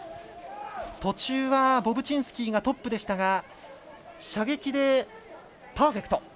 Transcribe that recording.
途中はボブチンスキーがトップでしたが射撃でパーフェクト。